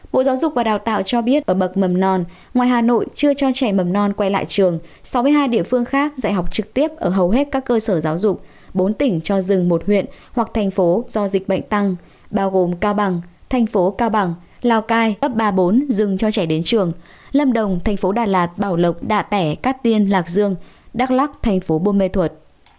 bộ giáo dục và đào tạo cho biết ở bậc mầm non ngoài hà nội chưa cho trẻ mầm non quay lại trường sáu mươi hai địa phương khác dạy học trực tiếp ở hầu hết các cơ sở giáo dục bốn tỉnh cho dừng một huyện hoặc thành phố do dịch bệnh tăng bao gồm cao bằng thành phố cao bằng lào cai ấp ba mươi bốn dừng cho trẻ đến trường lâm đồng thành phố đà lạt bảo lộc đà tẻ cát tiên lạc dương đắk lắc thành phố bô mê thuật